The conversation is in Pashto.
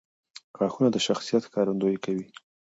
• غاښونه د شخصیت ښکارندویي کوي.